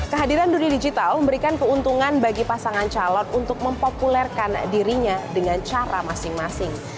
kehadiran dunia digital memberikan keuntungan bagi pasangan calon untuk mempopulerkan dirinya dengan cara masing masing